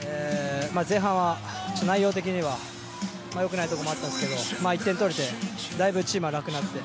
前半は内容的には良くないところもあったんですけど１点取れて、だいぶチームは楽になって。